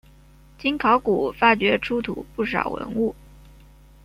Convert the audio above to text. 经考古发掘出土不少文物。